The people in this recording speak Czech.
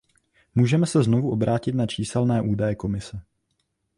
Můžeme se znovu obrátit na číselné údaje Komise.